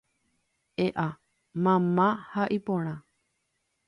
E'a mama ha iporã